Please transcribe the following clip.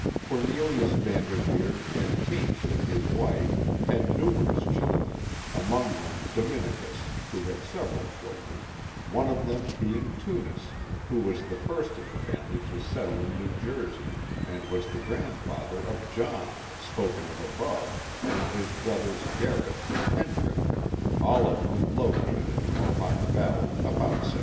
Cornelius Van Der veer and Teyntje his wife had numerous children, among them Dominicus, who had several children, one of them being Tunis, who was the first of the family to settle in New Jersey and was the grandfather of John, spoken of above, and his brothers Garrett and Hendrick, all of whom located in the Mohawk Valley about 1790.